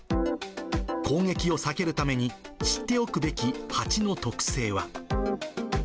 攻撃を避けるために知っておくべきハチの特性は。